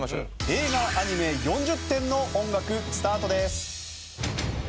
映画・アニメ４０点の音楽スタートです。